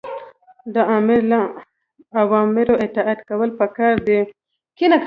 د آمر له اوامرو اطاعت کول پکار دي.